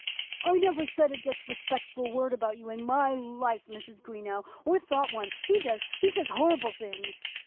"I never said a disrespectful word about you in my life, Mrs. Greenow, or thought one. He does; he says horrible things."